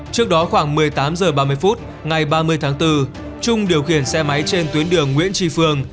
trước đó khoảng một mươi tám h ba mươi phút ngày ba mươi tháng bốn trung điều khiển xe máy trên tuyến đường nguyễn tri phương